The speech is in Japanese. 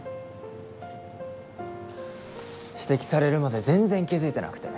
指摘されるまで全然気付いてなくて。